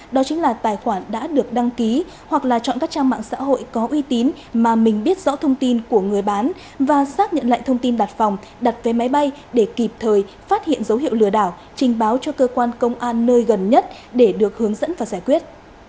đó chính là tài khoản đã được đăng ký hoặc là chọn các trang mạng xã hội có uy tín mà mình biết rõ thông tin của người bán và xác nhận lại thông tin đặt phòng đặt vé máy bay để kịp thời phát hiện dấu hiệu lừa đảo trình báo cho cơ quan công an nơi gần nhất để được hướng dẫn và giải quyết